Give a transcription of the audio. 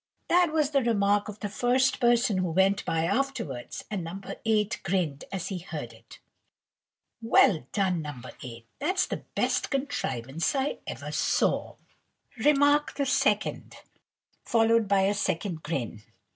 That was the remark of the first person who went by afterwards, and No. 8 grinned as he heard it. "Well done, No. 8! that's the best contrivance I ever saw!" Remark the second, followed by a second grin.